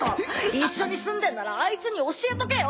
一緒に住んでんならアイツに教えとけよ！